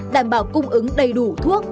đảm bảo cung ứng đầy đủ thuốc